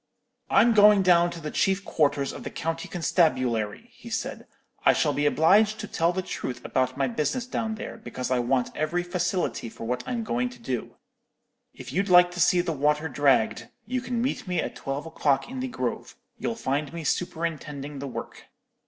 "'I'm going down to the chief quarters of the county constabulary, he said. 'I shall be obliged to tell the truth about my business down there, because I want every facility for what I'm going to do. If you'd like to see the water dragged, you can meet me at twelve o'clock in the grove. You'll find me superintending the work.'